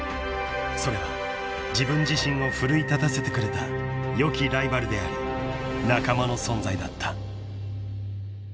［それは自分自身を奮い立たせてくれたよきライバルであり仲間の存在だった］